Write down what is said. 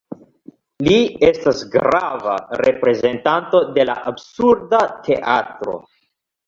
Li estas grava reprezentanto de la Absurda Teatro.